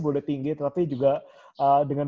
boleh tinggi tetapi juga dengan